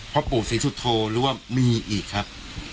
พ่อปู่ศรีสุโธหรือว่ามีอีกครับ